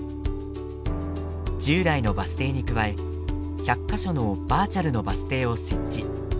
従来のバス停に加え１００か所のバーチャルのバス停を設置。